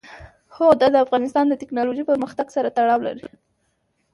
هوا د افغانستان د تکنالوژۍ پرمختګ سره تړاو لري.